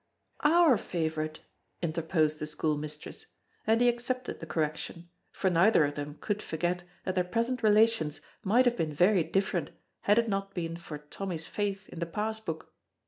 "Our favorite," interposed the school mistress, and he accepted the correction, for neither of them could forget that their present relations might have been very different had it not been for Tommy's faith in the pass book.